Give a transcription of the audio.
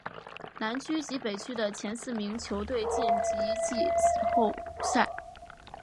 南区及北区的前四名球队晋级季后赛。